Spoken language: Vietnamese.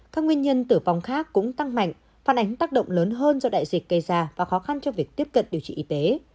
các nguyên nhân tử vong khác cũng tăng mạnh phản ánh tác động lớn hơn do đại dịch gây ra và khó khăn cho việc tiếp cận điều trị y tế